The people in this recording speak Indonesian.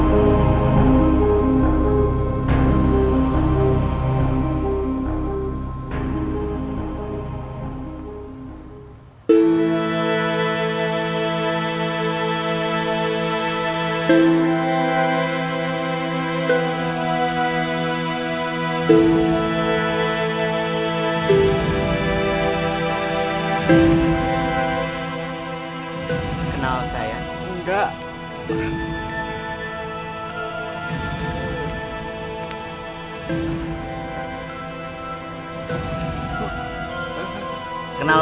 bang kenapa mau pergi lagi